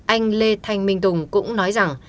anh lê thanh minh tùng cũng nói rằng